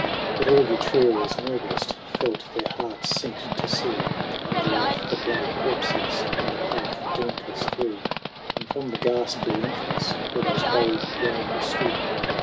XLIX. But all Etruria's noblest Felt their hearts sink to see On the earth the bloody corpses. In the path the dauntless Three : And, from the ghastly entrance "Where those bold Romans stood.